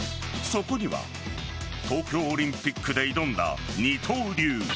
そこには東京オリンピックで挑んだ二刀流